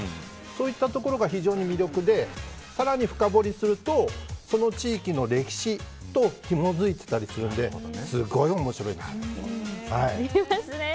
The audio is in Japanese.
そういったところが非常に魅力で更に深掘りするとその地域の歴史とひもづいてたりするのですごい面白いです。